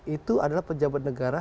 itu adalah pejabat negara